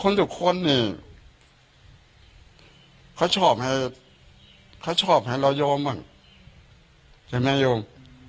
คือคนทุกคนเนี่ยเค้าชอบให้เค้าชอบให้เรายอมอ่ะเห็นไหมยอม